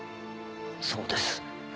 そうです。